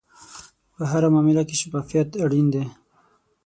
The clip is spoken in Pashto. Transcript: په هره معامله کې شفافیت اړین دی.